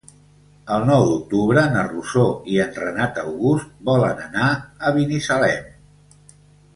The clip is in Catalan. El nou d'octubre na Rosó i en Renat August volen anar a Binissalem.